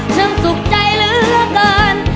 ฉันสุขใจรู้ละเกิน